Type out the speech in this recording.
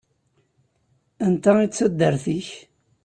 Anta ay d taddart-nnek?